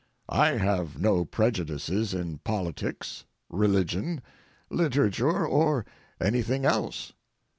I have no prejudices in politics, religion, literature, or anything else.